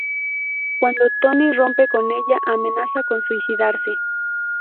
Cuando Tony rompe con ella, amenaza con suicidarse.